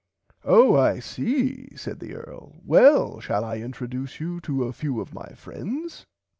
Oh I see said the earl well shall I introduce you to a few of my friends.